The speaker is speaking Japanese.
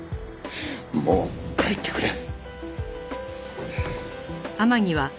もう帰ってくれ。